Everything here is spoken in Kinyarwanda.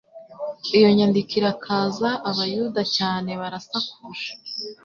Iyo nyandiko irakaza abayuda cyane. Barasakuje,